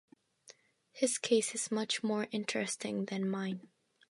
His case is much more interesting than mine.